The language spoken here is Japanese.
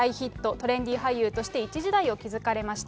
トレンディー俳優として一時代を築かれました。